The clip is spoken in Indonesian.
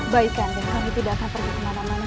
baik kakanda kami tidak akan pergi kemana mana